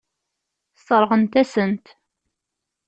Sseṛɣent-asen-t.